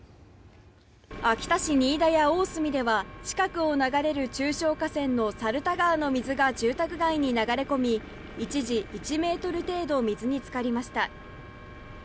秋田市仁井田や大住では近くを流れる中小河川の猿田川の水が住宅街に流れ込み一時、１ｍ程度水につかりました。